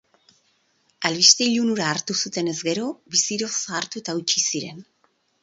Albiste ilun hura hartu zutenez gero, biziro zahartu eta hautsi ziren.